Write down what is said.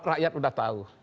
rakyat udah tahu